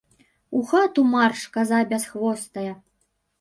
У хату марш, каза бясхвостая.